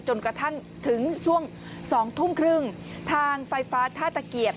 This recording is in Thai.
จนกระทั่งถึงช่วงสองทุ่มครึ่งทางไฟฟ้าท่าตะเกียบ